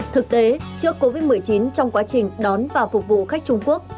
thực tế trước covid một mươi chín trong quá trình đón và phục vụ khách trung quốc